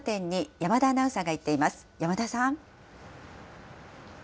山田さん。